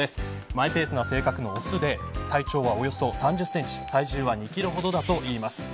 マイペースな性格の雄で体長はおよそ３０センチ体重は２キロほどだといいます。